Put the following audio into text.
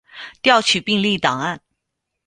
调取病历档案